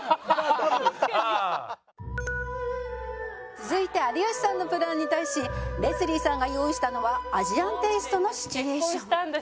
「続いて有吉さんのプランに対しレスリーさんが用意したのはアジアンテイストのシチュエーション」